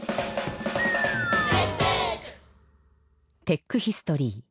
テックヒストリー。